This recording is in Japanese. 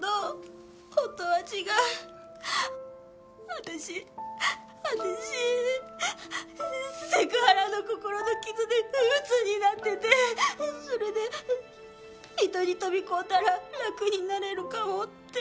私私セクハラの心の傷でうつになっててそれで井戸に飛び込んだら楽になれるかもって。